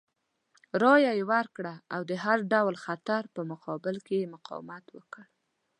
رایه یې ورکړه او د هر ډول خطر په مقابل کې یې مقاومت وکړ.